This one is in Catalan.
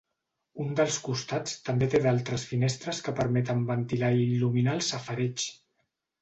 Un dels costats també té d'altres finestres que permeten ventilar i il·luminar el safareig.